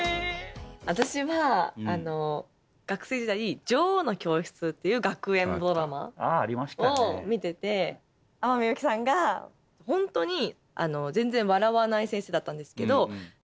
私は学生時代「女王の教室」っていう学園ドラマを見てて天海祐希さんがホントに全然笑わない先生だったんですけど。